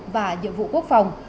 và nhiệm vụ quốc phòng